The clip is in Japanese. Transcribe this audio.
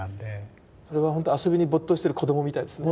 それはほんと遊びに没頭してる子供みたいですね。